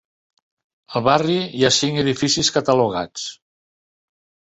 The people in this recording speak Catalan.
Al barri hi ha cinc edificis catalogats.